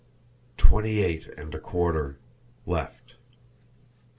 "Twenty eight and a quarter left."